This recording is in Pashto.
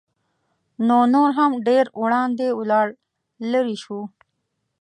نو نور هم ډېر وړاندې ولاړ لېرې شو.